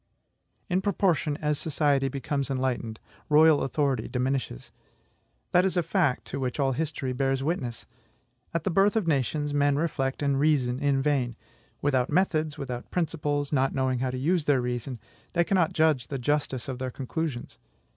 In proportion as society becomes enlightened, royal authority diminishes. That is a fact to which all history bears witness. At the birth of nations, men reflect and reason in vain. Without methods, without principles, not knowing how to use their reason, they cannot judge of the justice of their conclusions.